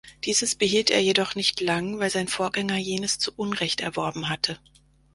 Dieses behielt er jedoch nicht lang, weil sein Vorgänger jenes zu Unrecht erworben hatte.